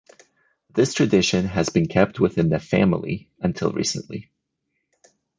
This tradition has been kept within the “family” until recently.